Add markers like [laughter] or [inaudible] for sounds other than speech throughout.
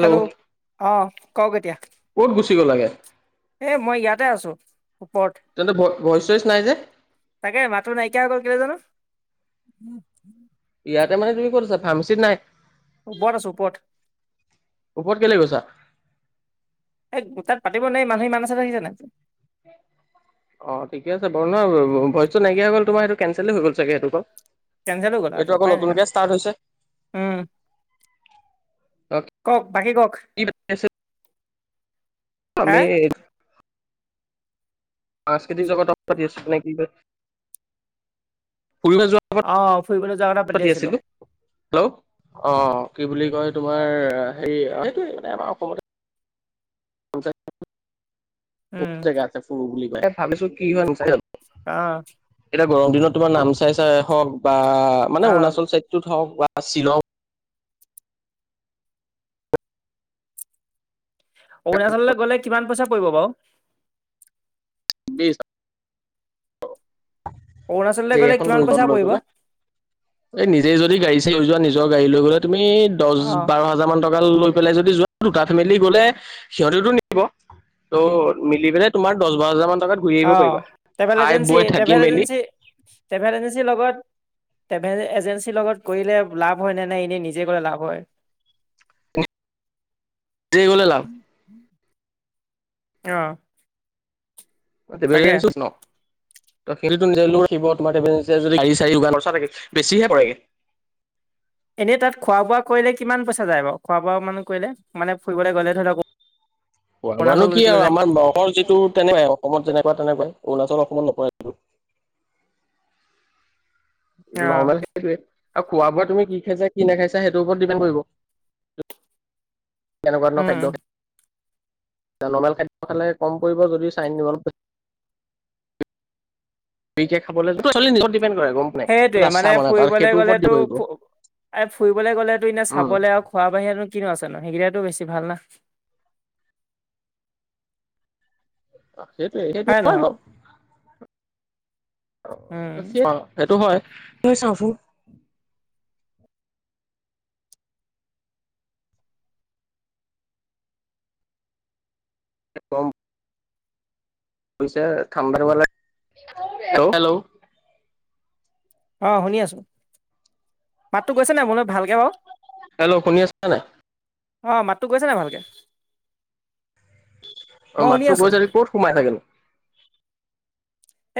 Hello অঁ কওক এতিয়া? ক'ত গুচি গ'লাগে? এ মই ইয়াতে আছো ওপৰত তেন্তে ভ ভইচ চইচ নাই যে? তাকে মাতো নাইকিয়া হৈ গল কেলেই জানো? ইয়াতে মানে তুমি কত কথা মিছিত নাই। ওপৰত আছো ওপৰত। ওপৰত কেলে গৈছা? এ গোটা পাতিব নোৱাৰি মানুহ ইমান আছে নহয় দেখিছা নাই। অ ঠিকে আছে বাৰু নহয় ভইচতটো নাইকিয়া হৈ গ'ল তোমাৰ এইটো কেঞ্চেলেই হৈ গ'ল চাগে সেইডোখৰ। কেঞ্চেল হৈ গলা আওটো উপায় নাই, উম। কওক বাকী কওক। হে আমি সাংস্কৃতিক জগতক পাতি আছিলি নে কি কৈ [unintelligible] অঁ, ফুৰিবলৈ যোৱা কথা পাতি আছিলো! হেল্ল', অঁ কি বুলি কয় তোমাৰ হেৰি হেটুৱে মানে আমাৰ অসম বহুত জেগা আছে, ফুৰো বুলি কলে তাকে ভাবিছো কি হয়। অঁ এতিয়া গৰম দিনত তোমাৰ নামচাই চাই হওক বা মানে অঁ অৰুণাচল চাইদটোত হওক বা শ্বিলং, অৰুণাচললে গ'লে কিমান পইচা পৰিব বাও? বিচ অৰুণাচললৈ যে গ'লে এখন কিমান লৈজন পইচা লৈ পৰিব গলে। এই নিজে যদি গাড়ী চাৰি লৈ যোৱা নিজৰ গাড়ী লৈ গলে তুমি দচ অঁ বাৰ হাজাৰ মান টকা লৈ হেফলে যদি যোৱা দুটা ফেমিলি গলে সিহঁতেতো নিব। ত মিলি পেলাই তোমাৰ দচ বাৰ হাজাৰ মান টকাত ঘূৰি আহিব অঁ, পাৰিবা। টেভেল খাই এজেঞ্চি, বৈ থাকি টেভেল মেলি এজেঞ্চিৰ ট্ৰেভেল এজেঞ্চী লগত ট্ৰেভেল এজেঞ্চিৰ লগত কৰিলে লাভ হয় নে, এনেই নিজে কৰিলে লাভ হয়? [unintelligible] যে গলে লাভ। অহ ট্ৰেভেল [inaudible] [unintelligible] তোমাৰ [unintelligible] যদি গাড়ী চাৰী লোৱা ব্যৱস্থা থাকে বেছিহে পৰেগে এনেই তাত খোৱা বোৱা কৰিলে কিমান পইচা যায় বাও, খোৱা-বোৱা মান কৰিলে, মানে ফুৰিবলৈ গ'লে ধৰি লওক খোৱা বোৱা নো অৰুণাচল কি যদি আৰু যায় আমাৰ নগাওঁৰ যিটো তেনে আৰু অসমত যেনেকুৱা তেনেকুৱাই অৰুণাচল অসমত নপৰে, অ নৰ্মেল সেইটোৱে আৰু খোৱা বোৱা তুমি কি খাইছা কি নাখাইছা সেইটোৰ ওপৰত ডিপেণ্ড কৰিব, কেনেকুৱা ধৰণৰ উম খাদ্য খায় নৰ্মেল খাদ্য খালে কম পৰিব যদি চাই [unintelligible] ফ্ৰিকে খাবলে য সেইটো একছলি নিজক ডিপেণ্ড কৰে গম পোৱা নাই সেইটোয়ে ইচ্ছা মানে তাৰ ফুৰিবলে সেইটোৰ গ'লে ওপৰত তো ডিপেণ্ড কৰিব ফু ফুৰিবলে গ'লে তো এনে উম চাবলৈ আও, খোৱা বাহিয়ে নো কি আছে নো, হেগিটাইটো বেছি ভাল না সেইটোৱেই সেইটো হয় বাউ উম অ সেইটো হয় কি হয় চাওচোন, কম কৈছে ঠাণ্ডা বেলা তেও হেল্ল' অ', শুনি আছো। মাতটো গৈছে নাই মোলে ভালকে বাউ হেল্ল' শুনি আছা নাই অ', মাতটো গৈছে নাই ভালকে? অ', মই শুনি মাতটো আছো গৈছে, সি ক'ত সোমাই থাকে নো?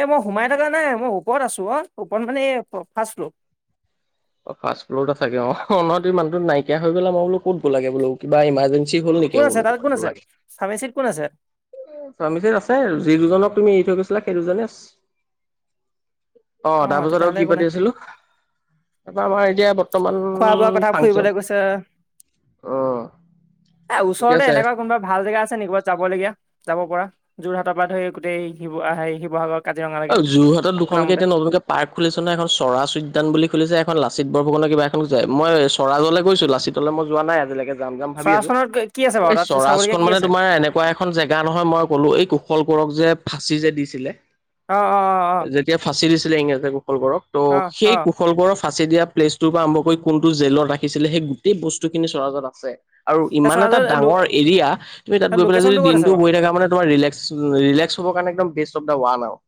এ, মই সোমাই থাকা নাই মই ওপৰত আছো অ'। ওপত মানে এ, ফাষ্ট ফ্লৰ। অ', ফাষ্ট ফ্লৰত আছাগে অহ, ন' তুমি মানটো নাইকিয়া হৈ গলা মই বোলো ক'ত গলাগে বোলো কিবা ইমাৰ্জেন ছিট বেলো কোন নাইকিয়াই আছে হল তাত কোন ব আছে লাগে। ফাৰ্মেচিত কোন আছে পামিচন আছে। যি দুজনক তুমি এৰি থৈ গৈছিলা সেই দুজনে আছে অ', তাৰ পাছত আৰু তেতিয়াহ'লে কি একো নাই পাতি আছিলো? তাপা আমাৰ এতিয়া বৰ্ত খোৱা বোৱা কথা ফুৰিবলে গৈছে। অ এ, ঠিকে ওচৰতে আছে। এনেকুৱা কোনবা ভাল জেগা আছে নি ক'বাত? যাবলগীয়া যাব পৰা যোৰহাটৰ পৰা ধৰি গোটেই শিৱ আ, হেই শিৱসাগৰ কাজিৰঙালৈকে আৰু যোৰহাটত আপোনাৰ দুখনকে মতে এতিয়া নতুনকে, পাৰ্ক খুলিছে নহয়, এখন চৰাচ উদ্যান বুলি খুলিছে এখন লাচিত বৰফুকনৰ কিবা এখন যে মই চৰাজলে গৈছো লাচিত, তলে মই যোৱা নাই আজিলেকে যাম যাম ভাবি আছো। চৰাইখনত কি আছে বাৰু এই তাত চাবলগীয়া চৰাজখন কি মানে আছে তোমাৰ এনে কুৱা এখন জেগা নহয় মই ক'লো এই কুশল কোঁৱৰক যে ফাঁচি যে দিছিলে। অ', অ', অ'। যেতিয়া ফাঁচি দিছিলে ইংৰাজে কুশল কোৱৰক। ত' অ অ অ সেই কুশল কোঁৱৰক ফাঁচি দিয়া প্লেচটোৰ পৰা আৰম্ভ কৰি কোনটো জেলত ৰাখিছিলে সেই গোটেই বস্তুখিনি চৰাজত আছে। আৰু এই ইমান এটা চৰাইদেউৰ ডাঙৰ এৰিয়া তুমি তাত গৈ পেলে যদি লোকেশ্যনটো ক'ত আছে দিনটো বাৰু বহি থাকা মানে তোমাৰ ৰিলেক্স ৰিলেক্স হ'ব কাৰণে একদম বেষ্ট অফ দা ৱাল আও।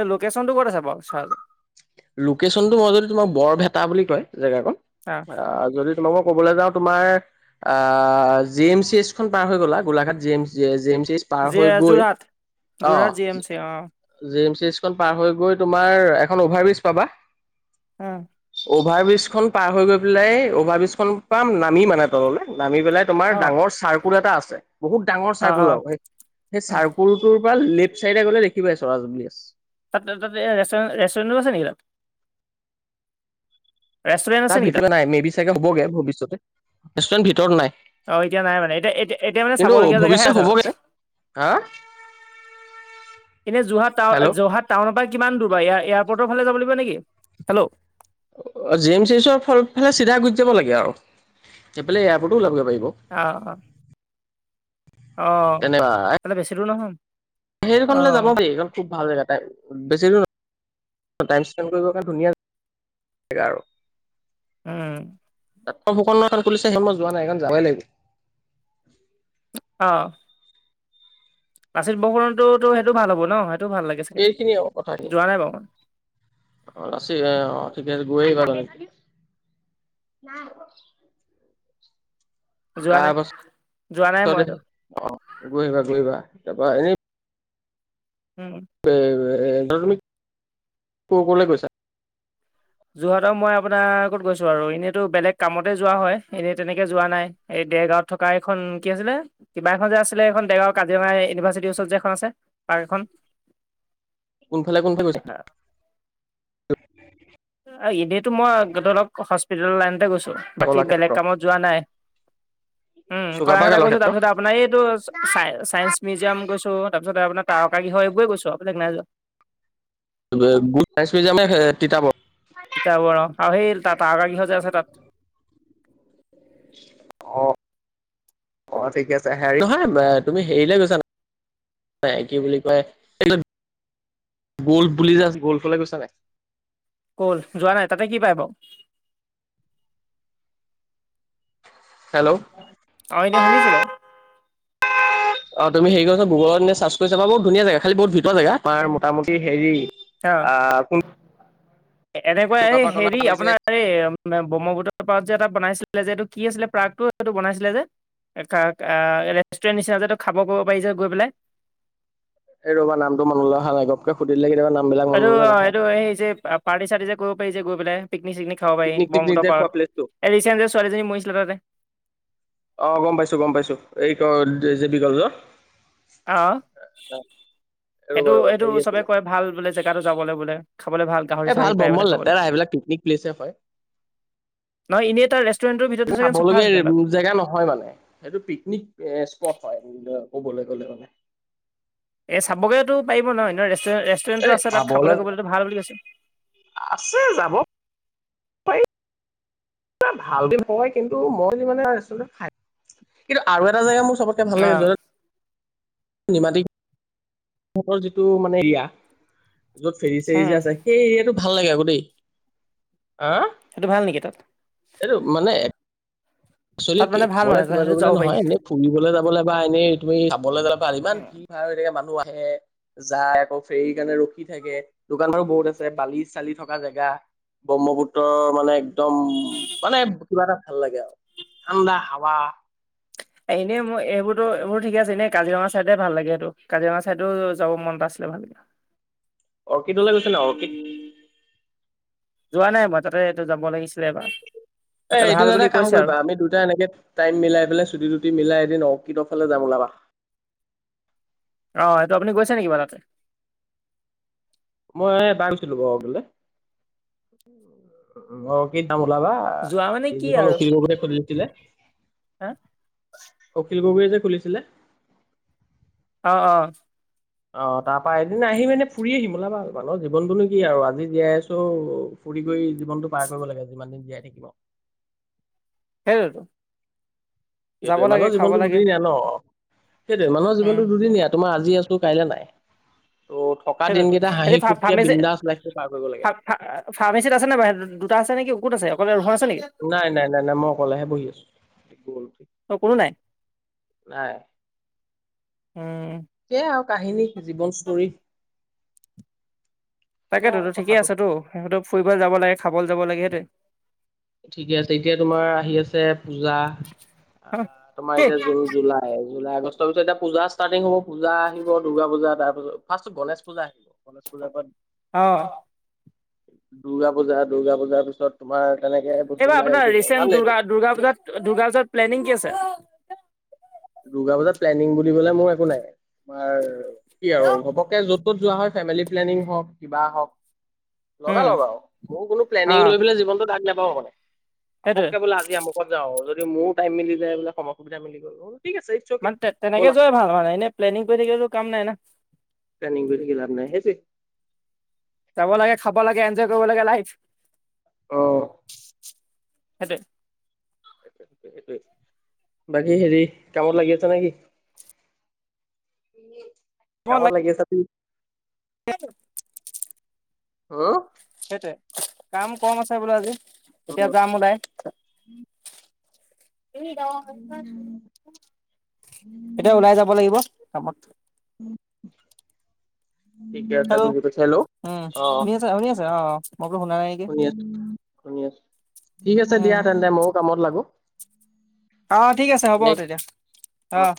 এ, লোকেশ্যনটো ক'ত আছে বাউ চাৰাজৰ লোকেচনটো হৈ গল তোমাক বৰভেটা বুলি কয় জেগাকণ অ আ, যদি তোমাকো' ক'বলে যাওঁ তোমাৰ আ, জি এম চি এইচ খন পাৰ হৈ গ'লা গোলাঘাট জি এম জেম জেম এম চি এইচ। পাৰ যি হৈ গৈ, যোৰহাট যোৰহাট অ'। জি এম চি অ জে এম চি এইচখন পাৰ হৈ গৈ তোমাৰ এখন অভাৰ ব্ৰিজ পাবা। অ'। অভাৰ ব্ৰিজখন পাৰ হৈ গৈ পেলাই অভাৰ ব্ৰিজখিন পাম নামি মানে তললে নামি পেলাই তোমাৰ অ ডাঙৰ চাৰ্কুল এটা আছে। বহুত ডাঙৰ অ অ চাৰ্কুল অ আৰু সেই চাৰ্কুল তোৰ পাল লেফট চাইডে গ'লে দেখিবাই চৰাজ বুলি আছ তাতে তাতে ৰেছ-ৰেষ্টুৰেনটো আছে নেকি তাত? ৰেষ্টুৰেণ্ট তাৰ আছে নেকি তাত ভিতৰত নাই মে বি চাগে হ'বগে ভৱিষ্যতে। ৰেষ্টুৰেণ্ট ভিতৰত নাই। অ', এতিয়া নাই মানে,। এতিয়া এতি-এতিয়া মানে কিন্তু চাবলগীয়া জেগাহে ভৱিষ্যত আছে তাত। হ'বগে হা। এনে যোৰহাট টাউ, হেল্ল' যোৰহাট টাউনৰ পৰা কিমান দূৰ বা এয়া-এয়াৰপৰ্টৰ ফালে যাব লাগ নেকি? হেল্ল? অ', জি এম চি এইচৰ ফল ফালে চিধা গুচি যাব লাগে আৰু। এইপেলে এয়াৰপৰ্টো যাবগে পাৰিব। আ, অ, অ', হ'লে বেছি দূৰ নহয়। সেইসনলে যাব অঁ পাৰি ভাল জেগা টাইম। বেছি দূৰ টাইম স্পেড কৰিব কাৰণে ধুনীয়া জেগা আৰু উম। তাতক অ, ফুকননৰ এখন খুলিছে সেই মই যোৱা নাই এখন যাবই লাগিব। অ'। লাচিত টো টো সেইটো ভাল হ'ব ন'। সেইটো ভাল লাগ এইখিনি আৰু কথা খিনি। অ', ৰাচি এ, অ, ঠিকে গৈয়ে আহিবা যোৱা তাৰ নাই পাছ যোৱা নাই অ', মই গৈ সেইটো আহিবা গৈ আহিবা তাৰপা এনেই উম। তুমি ক' ক'ৰলে গৈছা? যোৰহাটৰ মই আপোনাৰ ক'ত গৈছো আৰু এনেইতো বেলেগ কামতে যোৱা হয় এনেই তেনেকে যোৱা নাই। এই দেৰগাঁৱত থকা এইখন কি আছিলে? কিবা এখন যে আছিলে এইখন ডেগাঁওৰ কাজিৰঙা ইউনিভাৰ্চিটিৰ ওচৰত যে এখন আছে পাৰ্ক এখন। কোনফালে কোনফালে গৈছে? এনেইতো মই ধৰক হস্পিতেল লাইনতে গৈছো। বাকী বেলেগ কলাক্ষেত্ৰ কামত যোৱা নাই উম কলাক্ষেত্ৰ গৈছো তাৰপিছত মানে এইটো চা ছাইন্স মিউজিয়াম গৈছো তাৰপিছত আপোনাৰ তাৰকা গৃহৰ এইবোৰে গৈছো আ বলেগ নাই যোৱা। গোট মিজামে তিতাবৰ তিতাবৰ আৰু সেই তাৰাকাগৃহ যে আছে তাত। অ অ ঠিকে আছে হেৰি নহয় তুমি হেৰিলে গৈছা ন নাই কি বুলি কয় এই গল্ফ বুলি যে আছে গল্ফলৈ গৈছা নাই? গল্ফ যোৱা নাই তাতে কি পাই বাও? হেল্ল, অ', এনে শুনিছো বাৰু। অ তুমি হেৰি কৰা চোন গগুলত চাৰ্চ কৰি চাবা চোন ধুনীয়া জেগা খালি বহুত ভিতৰোৱা জেগা তাৰ মোটামুটি হেৰি অ আ কুন এনেকুৱা এ হেৰি হৈছে আপোনাৰ এই ব্ৰহ্মপুত্ৰৰ পাৰত যে এটা বনাইছিলে যে এইটো কি আছিলে প্ৰাগটো এইটো বনাইছিলে যে ৰেষ্টুৰেণ্ট নিচিনা যে খাব ক'ব পাৰিছে গৈ পেলাই। এই ৰবা নামটো মনলৈ অহা নাই ঘপকে সুধিলে কেতিয়াবা? বিলাক এইটো মনলৈ অ নাহে। এইটো যে পাৰ্টি চাৰ্টি যে কৰিব পাৰি যে গৈ পেলাই পিকনিক চিকনিক। দে খাব পাৰি পিকনিক চিকনিক ব্ৰহ্মপুত্ৰ যে পাৰত খোৱা প্লেচটো এ ৰিচেণ্ট ছোৱালীজনী মৰিছিলে তাতে। অ গম পাইছো গম পাইছো এই জে বি কলেজৰ। অ এইটো ৰবা ৰবা এইটো হেৰি চবে আছিলে কয় ভাল বুলে। জেগাতো যাবলৈ বোলে চাবলৈ ভাল। গাহৰি এই চাহৰি ভাল পাই বোলে বম্মল খাবলৈ লেতেৰা স এইবিলাক পিকনিক প্লিছ হয়। নহয় এনেই তাৰ ৰেষ্টুৰেণ্টৰ ভিতৰতো [unintelligible] চাগে চফা খাবলগীয়া আছে তাত জেগা নহয় মানে। সেইটো পিকনিক স্পট হয়, ক'বলৈ গ'লে মানে। এই চাবগে তো পাৰিব নয় ন, এ ৰে-ৰেষ্টুৰেণ্টটো আছে তাত যাবলে খাবলৈ কৰিবলেটো ভাল বুলি কৈছে। আছে যাব ভাল কয় কিন্তু মই [unintelligible] খায় কিন্তু আৰু এটা জেগা মোৰ চবতকে ভাল অ লাগে য'ত [unintelligible] যিটো মানে এৰিয়া য'ত ফেৰি চেৰি উম যে আছে, সেই এৰিয়াটো ভাল লাগে আকৌ দেই। আ'? সেইটো ভাল নেকি তাত? এইটো মানে, এক চোৱেলি তাত মানে ভাল মানে খাৱলৈ তাত কিবা সেইটো কৰিবলৈ যাব পাৰি নহয়, এনে ফুৰিবলৈ যাবলৈ বা এনেই তুমি চাবলৈ যাবা [unintelligible] ইমান ভিৰ ভাৰ হৈ থাকে মানুহ আহে। যায়, আকৌ ফ্ৰেৰী কাৰণে ৰখি থাকে, দোকানো বহুত আছে বালি চালি থকা জেগা। ব্ৰহ্মপুত্ৰৰ মানে একদম মানে কিবা এটা ভাল লাগে আৰু। ঠাণ্ডা হাৱা। এনেই মোৰ এইবোৰতো, এইবোৰ ঠিক আছে এনেই কাজিৰঙা চাইডে ভাল লাগে সেইটো, কাজিৰঙা চাইডেও যাব মনতটা আছিলে ভাল লাগে। অৰ্কিডলৈ গৈছে ন, অৰ্কিড? যোৱা নাই মই তাতে, এইটো যাব লাগিছিলে এবাৰ। এই তাতে এইটো ভাল বুলি এটা কাম কৈছে আৰু কৰিবা আমি দুটা এনেকে টাইম মিলাই পেলাই চুটি টুটি মিলাই এদিন অৰ্কিডৰ ফালে যাম ওলাবা। অ', সেইটো আপুনি গৈছে নেকি বা তাতে? মই এবাৰ গৈছিলোঁ অৰ্কিডলে, অকিড যাম ওলাবা। যোৱা মানে কি যিখন আৰু অখিল গগৈয়ে খোলিছিলে। হা'? অখিল গগৈয়ে যে খুলিছিলে! অ', অ'। অ', তাৰপা এদিন আহিম এনে ফুৰি আহিম ওলাবা, মানুহ জীৱনটোনো কি আৰু আজি জীয়াই আছোঁ ফুৰি কৰি জীৱনটো পাৰ কৰিব লাগে, যিমান দিন জীয়াই থাকিম আৰু। সেইটোৱেটো। সেইটোৱে, মানুহৰ জীৱনতো লাগে দুদিনীয়া ন'। সেইটোৱে, মানুহৰ উম জীৱনতো দুদিনীয়া। তোমাৰ আজি আছোঁ কাইলে নাই ত' থকা সেইটোতো দিনকেইটা হাঁহি ফুৰ্তিৰে বিন্দাছ লাইফটো পাৰ কৰিব লাগে। ফা-ফাৰ্মেচিত আছে নে বাৰু, দুটা আছে নেকি ক'ত আছে অকলে [unintelligible] আছে নেকি? নাই, নাই, নাই, নাই মই অকলেহে বহি আছোঁ। গ'ল উঠি, অ কোনো নাই নাই। উম। সেয়াই আৰু কাহিনী জীৱন স্তৰী। তাকেটো ঠিকে কথাটো আছেটো সিহঁতেও ফুৰিবলৈ যাব লাগে, খাবলৈ যাব লাগে সেইটোৱে। ঠিকে আছে এতিয়া, তোমাৰ আহি আছে পূজা। আহ, তোমাৰ কি এতিয়া জুন জুলাই এই জুলাই আগষ্টৰ পিছত এতিয়া পূজা ষ্টাৰ্টিং হ'ব পূজা আহিব দুৰ্গা পূজা তাৰপিছত ফাৰ্ষ্টত গণেশ পূজা আহিব। গণেশ পূজাৰ অ [unintelligible] দুৰ্গা পূজা, দূৰ্গা পূজাৰ পিছত তোমাৰ তেনেকে এইবাৰ বস্তুবিলাক আহি আপোনাৰ থাকিব ভাল ৰিচেণ্ট দুৰ্গা, লাগিব দুৰ্গা পূজাত দুৰ্গা পূজাত প্লেনিং কি আছে? দুৰ্গা পূজাত প্লেনিং বুলিবলে মোৰ একো নাই, তোমাৰ কি আৰু ঘপকে য'ত ত'ত যোৱা হয়, ফেমিলি প্লেনিং হওঁক কিবা হওঁক। উম লগা-লগা আৰু। মোৰ কোনো অ প্লেনিং লৈ পেলাই জীৱনটো আগ নেবাঢ়ো মানে, সেইটোৱে ঘপকে বোলে আজি আমুক যাওঁ, যদি মোৰ টাইম মিলি যায় বোলে সময় সুবিধা মিলি গ'ল ঠিক আছে। অকে মানে তেনেকে ব'লা যোৱাই ভাল মানে এনেই প্লেনিং কৰি থাকিতো কাম নাই না। প্লেনিং কৰি থাকি লাভ নাই, সেইটোৱে। যাব লাগে, খাব লাগে, এনজয় কৰিব লাগে লাইফ। অ' সেইটোৱে। সেইটোৱে। বাকী হেৰি কামত লাগি আছে নে কি? কামত লাগি আছা তু? হয় হেল্ল সেইটোৱে, কাম কম আছে বোলে আজি এতিয়া অ', যাম ওলাই। এতিয়া ওলাই যাব লাগিব কামত। উম' হেল্ল' উম' অ শুনি আছা? শুনি আছে? অ' মই বোলো শুনা নাই নেকি শুনি আছোঁ, শুনি আছোঁ, ঠিক আছে উম দিয়া তেন্তে মইয়ো কামত লাগো। অ' ঠিক আছে হ'ব নে কি তেতিয়া অ'।